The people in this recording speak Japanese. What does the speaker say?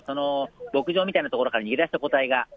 牧場みたいな所から逃げ出した個体が。